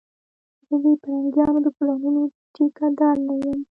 زه د پرنګيانو د پلانونو ټيکه دار نه یم